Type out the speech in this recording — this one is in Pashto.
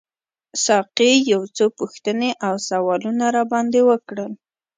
ساقي یو څو پوښتنې او سوالونه راباندي وکړل.